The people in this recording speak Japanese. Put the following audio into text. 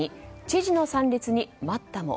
知事の参列に待ったも。